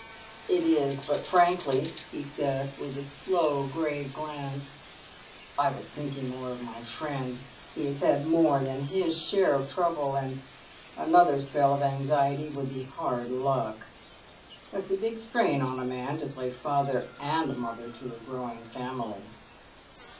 "It is; but frankly!" he said, with a slow, grave glance, "I was thinking more of my friend. He has had more than his share of trouble, and another spell of anxiety would be hard luck. It's a big strain on a man to play father and mother to a growing family."